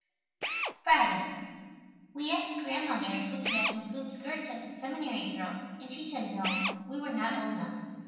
Friday. We asked Grandmother if we could have some hoop skirts like the seminary girls and she said no, we were not old enough.